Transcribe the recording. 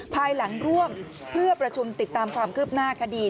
ภายหลังร่วมเพื่อประชุมติดตามความคืบหน้าคดี